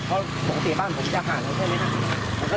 เพราะปกติบ้านผมแยกหาทั้งแค่นี้ครับ